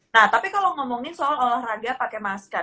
nah tapi kalau ngomongin soal olahraga pakai masker